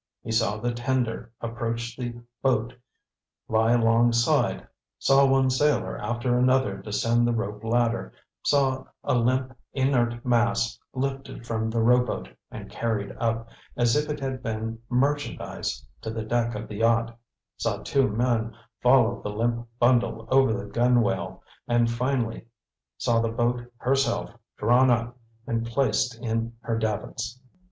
He saw the tender approach the boat, lie alongside; saw one sailor after another descend the rope ladder, saw a limp, inert mass lifted from the rowboat and carried up, as if it had been merchandise, to the deck of the yacht; saw two men follow the limp bundle over the gunwale; and finally saw the boat herself drawn up and placed in her davits.